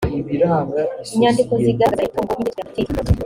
inyandiko zigaragaza imitungo y’ imitwe ya politiki